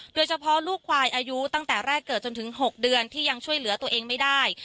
โดยเฉพาะลูกควายอายุตั้งแต่แรกเกิดจนถึง๖เดือนที่ยังช่วยเหลือตัวเองไม่ได้